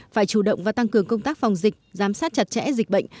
phải chủ động và tăng cường công tác phòng dịch giám sát chặt chẽ dịch bệnh